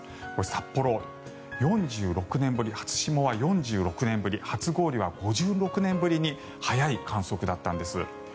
札幌、初霜は４６年ぶり初氷は５６年ぶりに早い観測だったんです。